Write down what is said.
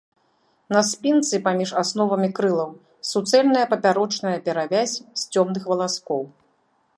На спінцы паміж асновамі крылаў суцэльная папярочная перавязь з цёмных валаскоў.